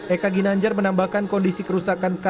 eka ginanjar menambahkan kondisi kerusakan